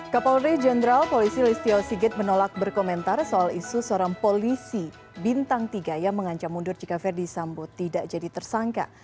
kapolri jenderal polisi listio sigit menolak berkomentar soal isu seorang polisi bintang tiga yang mengancam mundur jika verdi sambo tidak jadi tersangka